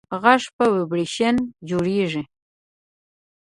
غږ په ویبرېشن جوړېږي.